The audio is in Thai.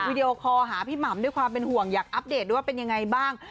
วิดีโอคอลหาพี่หม่ำด้วยความเป็นห่วงอยากอัปเดตด้วยว่าเป็นยังไงบ้าง